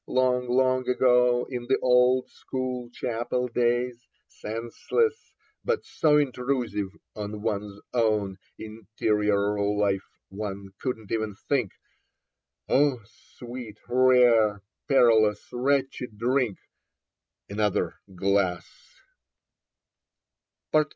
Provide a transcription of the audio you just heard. Long, long ago, in the old School Chapel days ; Senseless, but so intrusive on one's own Interior life one couldn't even think ... O sweet, rare, perilous, retchy drink ! Another glass